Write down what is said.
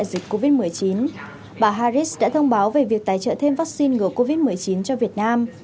trong việc dẫn đầu thế giới chấm dứt đại dịch covid một mươi chín bà harris đã thông báo về việc tái trợ thêm vaccine ngừa covid một mươi chín cho việt nam